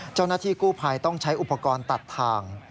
เจ้าหน้าที่กู้ภัยต้องใช้อุปกรณ์ตัดทาง